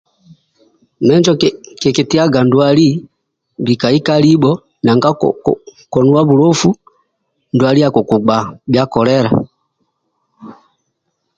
Menjo kikitiaga ndwali bikai ka libjo nanga konuwa bulofu ndwali akukugba bhia kolela